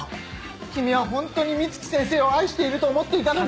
君はホントに美月先生を愛していると思っていたのに。